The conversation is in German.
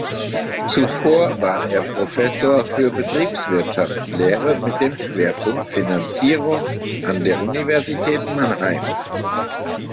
Zuvor war er Professor für Betriebswirtschaftslehre mit dem Schwerpunkt Finanzierung an der Universität Mannheim.